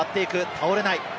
倒れない。